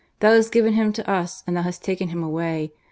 Thou hast given him to us and Thou hast taken him away.